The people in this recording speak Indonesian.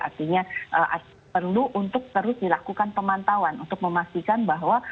artinya perlu untuk terus dilakukan pemantauan untuk memastikan bahwa